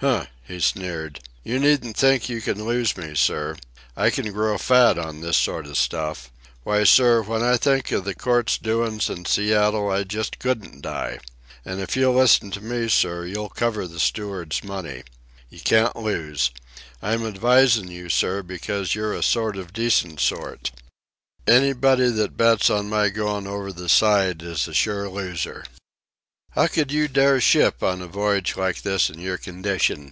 "Huh!" he sneered. "You needn't think you can lose me, sir. I can grow fat on this sort of stuff. Why, sir, when I think of the court doin's in Seattle I just couldn't die. An' if you'll listen to me, sir, you'll cover the steward's money. You can't lose. I'm advisin' you, sir, because you're a sort of decent sort. Anybody that bets on my going over the side is a sure loser." "How could you dare ship on a voyage like this in your condition?"